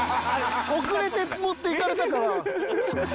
遅れて持っていかれたから。